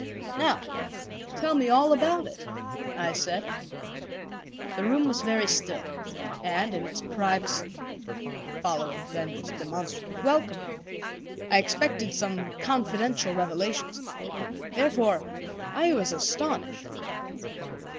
"Now tell me all about it," I said. The room was very still, and in its privacy, following Benda's demonstrative welcome, I expected some confidential revelations. Therefore I was astonished.